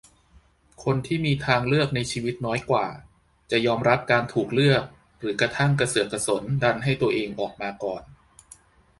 คนที่มีทางเลือกในชีวิตน้อยกว่า จะยอมรับการถูกเลือกหรือกระทั่งกระเสือกกระสนดันให้ตัวเองออกมาก่อน